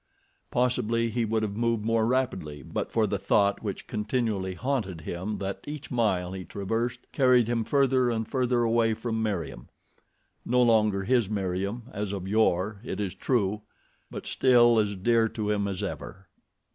Possibly he would have moved more rapidly but for the thought which continually haunted him that each mile he traversed carried him further and further away from Meriem—no longer his Meriem, as of yore, it is true! but still as dear to him as ever.